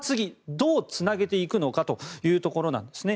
どうつなげていくのかというところなんですね。